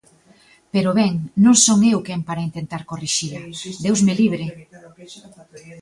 Pero, ben, non son eu quen para intentar corrixila, ¡Deus me libre!